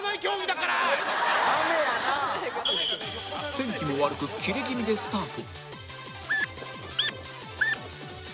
天気も悪くキレ気味でスタート